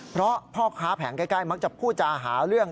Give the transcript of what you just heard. เพราะพ่อค้าแผงใกล้มักจะพูดจาหาเรื่อง